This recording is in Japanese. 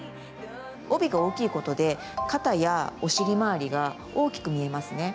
帯が大きいことで肩やお尻回りが大きく見えますね。